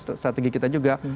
itu adalah strategi kita juga